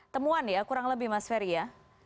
temuan ya kurang lebih mas ferry ya